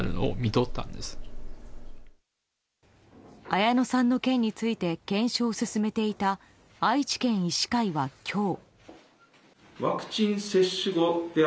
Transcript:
綾乃さんの件について検証を進めていた愛知県医師会は今日。